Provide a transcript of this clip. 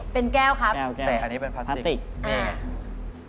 แต่ปลาติก